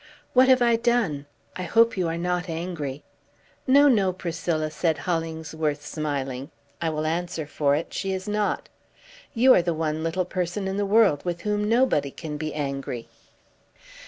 "What have I done? I hope you are not angry!" "No, no, Priscilla!" said Hollingsworth, smiling. "I will answer for it, she is not. You are the one little person in the world with whom nobody can be angry!"